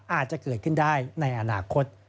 อาจจะเกิดขึ้นได้ในอนาคต